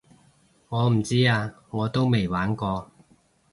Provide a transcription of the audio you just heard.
我唔知啊我都未玩過